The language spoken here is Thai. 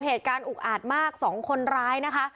เหตุการณ์อุกอาจมากสองคนร้ายนะคะ